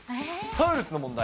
サウルスの問題。